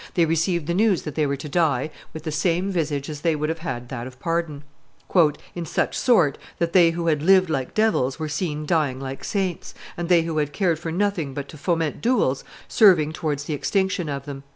They received the news that they were to die with the same visage as they would have that of pardon," "in such sort that they who had lived like devils were seen dying like saints, and they who had cared for nothing but to foment duels serving towards the extinction of them."